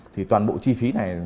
thì toàn bộ chi phí này